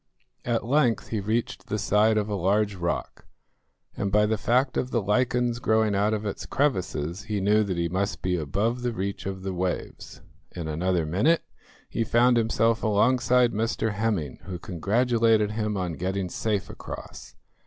At length he reached the side of a large rock, and by the fact of the lichens growing out of its crevices he knew that he must be above the reach of the waves. In another minute he found himself alongside Mr Hemming, who congratulated him on getting safe across.